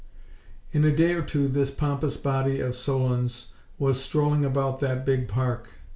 In a day or two this pompous body of solons was strolling about that big park.